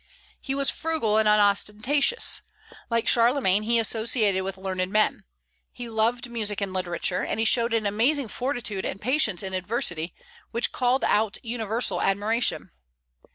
He was frugal and unostentatious. Like Charlemagne, he associated with learned men. He loved music and literature; and he showed an amazing fortitude and patience in adversity, which called out universal admiration.